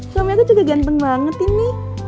suami aku juga ganteng banget ini